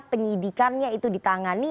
penyidikannya itu ditangani